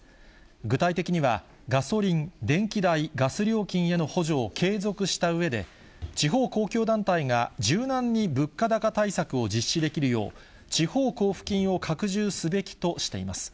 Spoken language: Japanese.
具体的にはガソリン、電気代、ガス料金への補助を継続したうえで、地方公共団体が柔軟に物価高対策を実施できるよう、地方交付金を拡充すべきとしています。